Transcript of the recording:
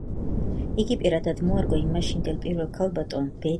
იგი პირადად მოარგო იმ მაშინდელ პირველ ქალბატონს, ბეტი ფორდს.